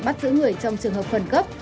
bắt giữ người trong trường hợp phần cấp